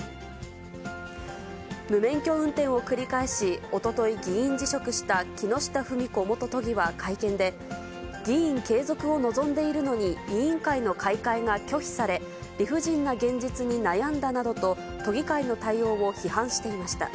無免許運転を繰り返し、おととい、議員辞職した木下富美子元都議は会見で、議員継続を望んでいるのに、委員会の開会が拒否され、理不尽な現実に悩んだなどと、都議会の対応を批判していました。